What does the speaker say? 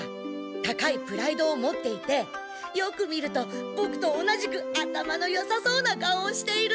高いプライドを持っていてよく見るとボクと同じく頭のよさそうな顔をしている！